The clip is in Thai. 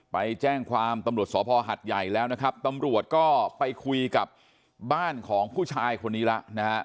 ไปแจ้งความตำรวจสพหัดใหญ่แล้วนะครับตำรวจก็ไปคุยกับบ้านของผู้ชายคนนี้แล้วนะฮะ